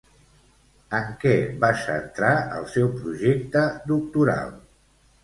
En què va centrar el seu projecte doctoral?